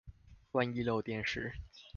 萬一漏電時